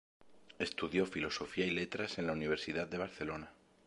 Estudió Filosofía y Letras en la Universidad de Barcelona.